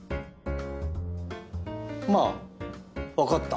まあ分かった。